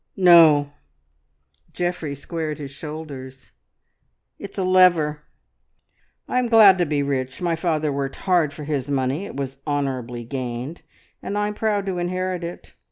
"No!" Geoffrey squared his shoulders. "It's a lever. I am glad to be rich; my father worked hard for his money it was honourably gained, and I'm proud to inherit it.